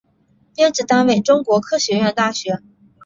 编制单位中国科学院大学